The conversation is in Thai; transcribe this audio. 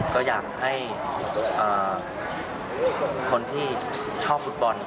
ก็อยากให้คนที่ชอบฟุตบอล